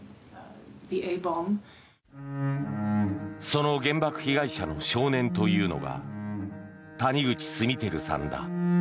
その原爆被害者の少年というのが谷口稜曄さんだ。